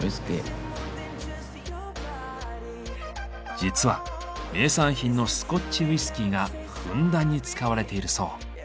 実は名産品のスコッチウイスキーがふんだんに使われているそう。